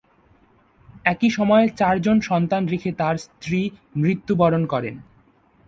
একই সময়ে চারজন সন্তান রেখে তার স্ত্রী মৃত্যুবরণ করেন।